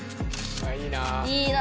いいな。